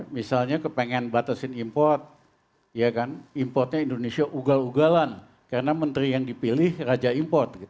misalnya kepengen batasin import importnya indonesia ugal ugalan karena menteri yang dipilih raja import